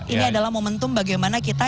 ini adalah momentum bagaimana kita